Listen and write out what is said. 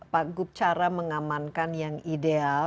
pak gup cara mengamankan yang ideal